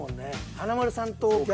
華丸さんと逆。